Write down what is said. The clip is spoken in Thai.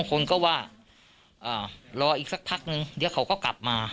คนก็ว่ารออีกสักพักนึงเดี๋ยวเขาก็กลับมา